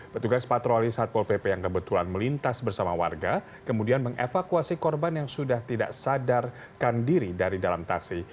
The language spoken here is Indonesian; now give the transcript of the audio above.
petugas patroli satpol pp yang kebetulan melintas bersama warga kemudian mengevakuasi korban yang sudah tidak sadarkan diri dari dalam taksi